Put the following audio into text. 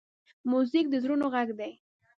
موزیک د زړونو غږ دی.